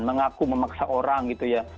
mengaku memaksa orang gitu ya